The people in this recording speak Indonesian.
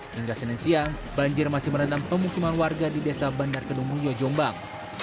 hingga senin siang banjir masih merenam pemukiman warga di desa bandar kenung ruyo jombang